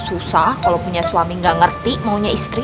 susah kalau punya suami nggak ngerti maunya istri